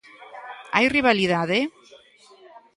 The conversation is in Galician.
Hai rivalidade?